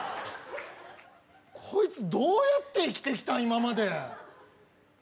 こいつ、どうやって生きてきた、今まで。